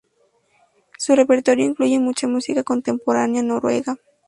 Su repertorio incluye mucha música contemporánea noruega.